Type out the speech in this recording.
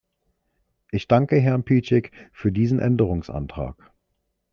Ich danke Herrn Piecyk für diesen Änderungsantrag.